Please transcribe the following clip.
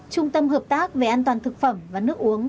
trung tâm hợp tác về an toàn thực phẩm và nước uống